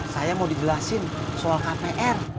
saya mau dijelasin soal kpr